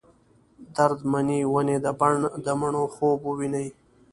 درد منې ونې د بڼ ، دمڼو خوب وویني